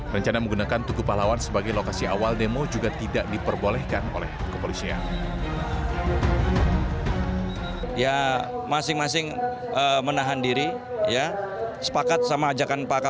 rencana menggunakan tugu pahlawan sebagai lokasi awal demo juga tidak diperbolehkan oleh kepolisian